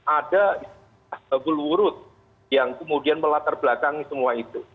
ada bulurut yang kemudian melatar belakang semua itu